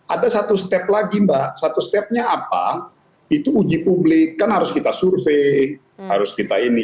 ada satu step lagi mbak satu stepnya apa itu uji publik kan harus kita survei harus kita ini